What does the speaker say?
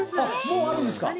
もうあるんですか。